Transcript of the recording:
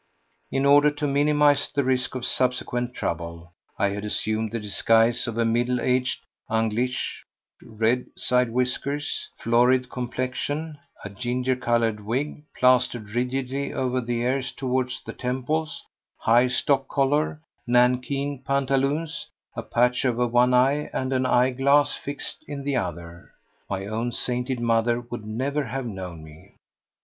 In order to minimise the risk of subsequent trouble, I had assumed the disguise of a middle aged Angliche—red side whiskers, florid complexion, a ginger coloured wig plastered rigidly over the ears towards the temples, high stock collar, nankeen pantaloons, a patch over one eye and an eyeglass fixed in the other. My own sainted mother would never have known me.